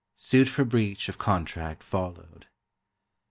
Suit for breach of contract followed.